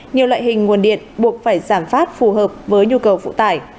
nhiều loại hình nguồn điện buộc phải giảm phát phù hợp với nhu cầu phụ tải